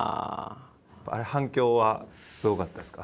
あれ反響はすごかったですか？